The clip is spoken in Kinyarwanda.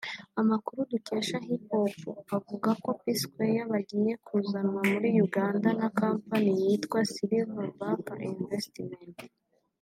Amakuru dukesha hipipo avuga ko P-Square bagiye kuzanwa muri Uganda na kompanyi yitwa Silver Back Investment